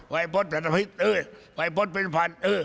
วัยพจน์พฤษวัยพจน์พิสุพันธ์